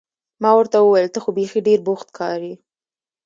ما ورته وویل: ته خو بیخي ډېر بوخت ښکارې.